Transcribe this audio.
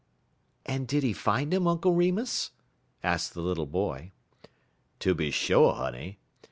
"And did he find him, Uncle Remus?" asked the little boy. "Tooby sho', honey.